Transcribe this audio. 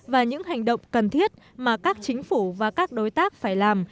và những hành động cần thiết mà các chính phủ và các đối tác phải làm